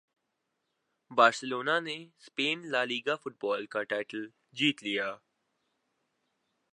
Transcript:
Barcelona نے Spanish La Liga football کا title جیت لیا